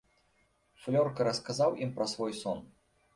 Флёрка расказаў ім пра свой сон.